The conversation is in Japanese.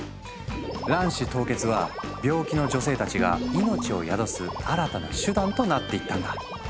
卵子凍結は病気の女性たちが命を宿す新たな手段となっていったんだ。